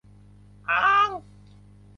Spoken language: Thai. อ๊าง~